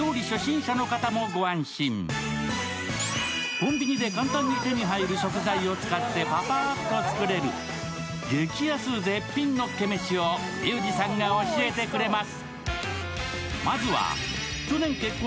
コンビニで簡単に手に入る食材を使って、パパッと作れる激安絶品のっけメシをリュウジさんが教えてくれます。